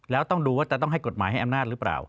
แล้วต้องดูว่าจะต้องให้กฎหมายให้อำนาจหรือเปล่า